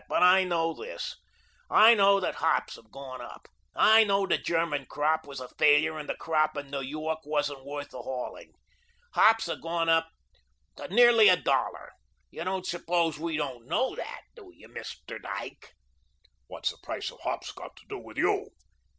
But I know this; I know that hops have gone up. I know the German crop was a failure and that the crop in New York wasn't worth the hauling. Hops have gone up to nearly a dollar. You don't suppose we don't know that, do you, Mr. Dyke?" "What's the price of hops got to do with you?"